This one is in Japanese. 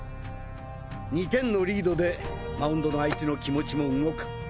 ２点のリードでマウンドのあいつの気持ちも動く。